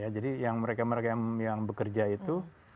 jadi mereka yang bekerja itu